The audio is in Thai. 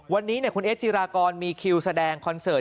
วันนี้คุณเอสจิรากรมีคิวแสดงคอนเสิร์ต